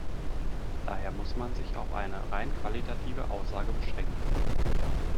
Daher muss man sich auf eine rein qualitative Aussage beschränken.